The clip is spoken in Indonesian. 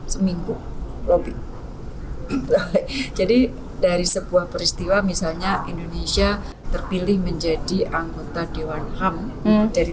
seminggu lebih baik jadi dari sebuah peristiwa misalnya indonesia terpilih menjadi anggota dewan ham dari